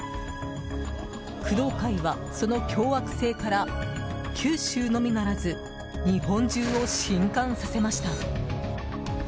工藤会はその凶悪性から九州のみならず日本中を震撼させました。